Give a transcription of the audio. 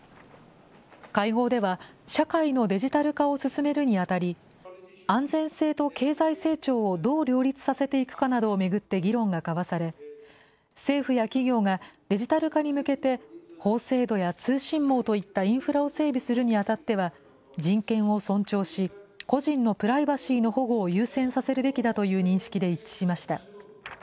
会合では、社会のデジタル化を進めるにあたり、安全性と経済成長をどう両立させていくかなどを巡って議論が交わされ、政府や企業がデジタル化に向けて、法制度や通信網といったインフラを整備するにあたっては、人権を尊重し、個人のプライバシーの保護を優先させるべきだという認識で一致しました。